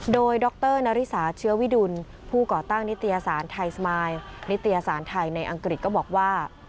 โดยดรนาริสาเชื้อวิดุลผู้ก่อตั้งนิตยสารไทยสมายนิตยสารไทยในอังกฤษก็บอกว่า